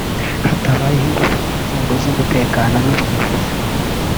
hatabayeho ingufu z’inzego z’umutekano n’ubuyobozi